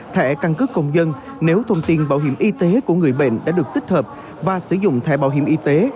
thẻ căn cước công dân nếu thông tin bảo hiểm y tế của người bệnh đã được tích hợp và sử dụng thẻ bảo hiểm y tế